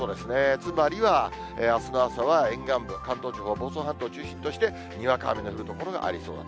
つまりはあすの朝は沿岸部、関東地方、房総半島中心として、にわか雨の降る所がありそうです。